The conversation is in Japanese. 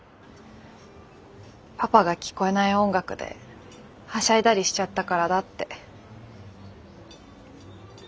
パパが聞こえない音楽ではしゃいだりしちゃったからだって。